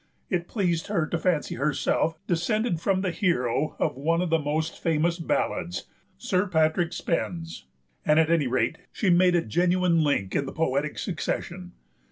It pleased her to fancy herself descended from the hero of one of the most famous ballads, Sir Patrick Spens, and at any rate she made a genuine link in the Poetic Succession.